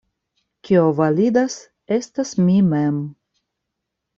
Kio validas, estas mi mem.